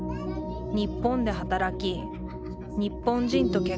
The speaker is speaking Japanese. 日本で働き日本人と結婚。